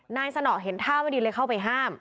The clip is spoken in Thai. สนอเห็นท่าไม่ดีเลยเข้าไปห้าม